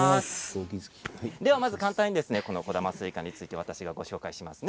簡単に小玉スイカについて私がご紹介します。